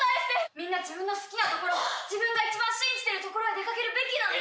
「みんな自分の好きなところ自分が一番信じてるところへ出掛けるべきなのよ。